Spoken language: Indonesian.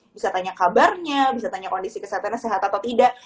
bisa tanya kabarnya bisa tanya kondisi kesehatannya sehat atau tidak